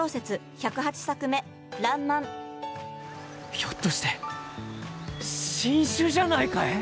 １０８作目ひょっとして新種じゃないかえ？